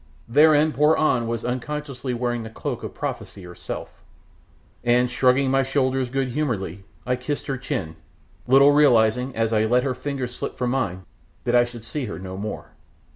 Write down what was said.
Therein poor An was unconsciously wearing the cloak of prophesy herself, and, shrugging my shoulders good humouredly, I kissed her chin, little realising, as I let her fingers slip from mine, that I should see her no more.